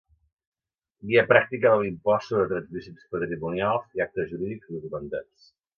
Guia pràctica de l'impost sobre transmissions patrimonials i actes jurídics documentats.